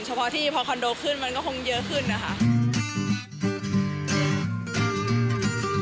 เฉพาะที่พอคอนโดขึ้นมันก็คงเยอะขึ้นนะคะ